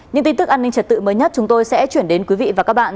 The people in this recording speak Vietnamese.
những tin tức an ninh trật tự mới nhất chúng tôi sẽ chuyển đến quý vị và các bạn